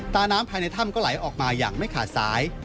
ตาน้ำภายในถ้ำก็ไหลออกมาอย่างไม่ขาดสาย